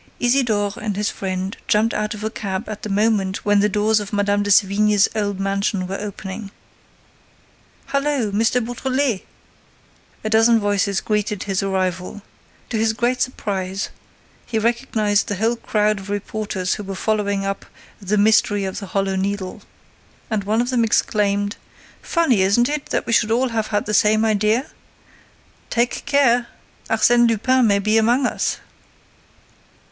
Isidore and his friend jumped out of a cab at the moment when the doors of Madame de Sévigné's old mansion were opening. "Hullo! M. Beautrelet!" A dozen voices greeted his arrival. To his great surprise, he recognized the whole crowd of reporters who were following up "the mystery of the Hollow Needle." And one of them exclaimed: "Funny, isn't it, that we should all have had the same idea? Take care, Arsène Lupin may be among us!"